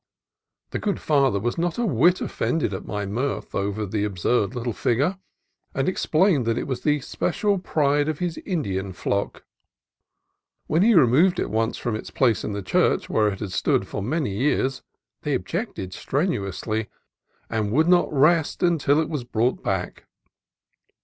The good Father was not a whit offended at my mirth over the absurd little figure, and explained that it was the special pride of his Indian flock. When he removed it once from its place in the church, where it had stood for many years, they objected stren uously, and would not rest until it was brought back.